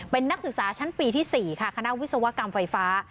เป็นนักศึกษาชั้นปีที่๔ค่ะคณะวิศวกรรมไฟฟ้า